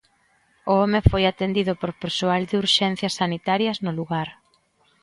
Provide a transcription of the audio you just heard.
O home foi atendido por persoal de urxencias sanitarias no lugar.